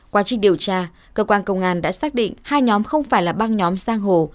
quá trình điều tra cơ quan công an đã xác định hai nhóm không phải là băng nhóm giang hồ